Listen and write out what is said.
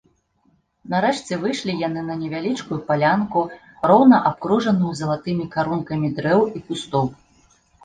Нарэшце выйшлі яны на невялічкую палянку, роўна абкружаную залатымі карункамі дрэў і кустоў.